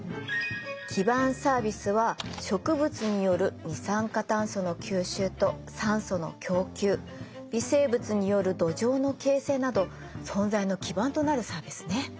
基盤サービスは植物による二酸化炭素の吸収と酸素の供給微生物による土壌の形成など存在の基盤となるサービスね。